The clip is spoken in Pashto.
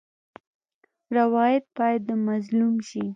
روایت باید د مظلوم شي.